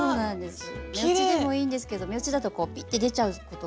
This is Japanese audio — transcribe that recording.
目打ちでもいいんですけど目打ちだとピッて出ちゃうことが。